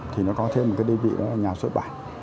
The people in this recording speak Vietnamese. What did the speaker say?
thì nó có thêm một cái đơn vị đó là nhà xuất bản